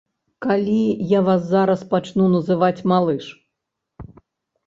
Калі я вас зараз пачну называць малыш?